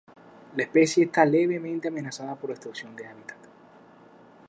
La especie está levemente amenazada por destrucción de hábitat.